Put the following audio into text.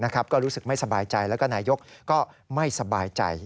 ก็รู้สึกไม่สบายใจแล้วก็นายกก็ไม่สบายใจ